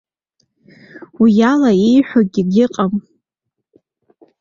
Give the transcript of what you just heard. Уиала иеиҳәогьы егьыҟам.